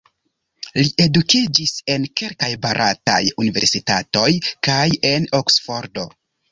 Li edukiĝis en kelkaj barataj universitatoj kaj en Oksfordo.